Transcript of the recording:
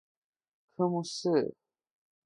科目四